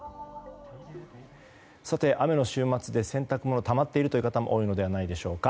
雨の週末で洗濯物がたまっている方も多いのではないでしょうか。